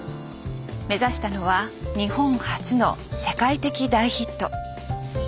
目指したのは日本初の世界的大ヒット。